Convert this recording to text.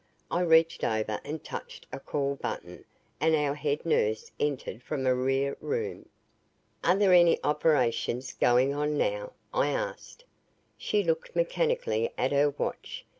I reached over and touched a call button and our head nurse entered from a rear room. "Are there any operations going on now?" I asked. She looked mechanically at her watch.